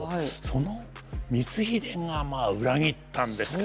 その光秀がまあ裏切ったんですから。